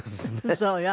そうよ。